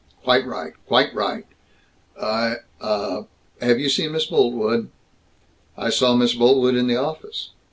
"Quite right. Quite right. Uh, ah, I, oh, I Have you seen Miss Boltwood?" "I saw Miss Boltwood in the office."